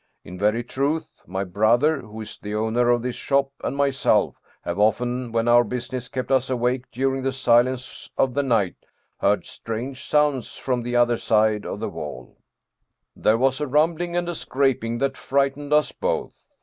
In very truth my brother, who is the owner of this shop, and myself have often, when our business kept us awake during the silence of the night, heard strange sounds from the other side of the wall 136 Ernest The odor Amadeus Hoffmann There was a rumbling and a scraping that frightened us both.